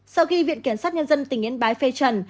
sau khi viện kiểm sát nhân dân tỉnh yên bái phê trần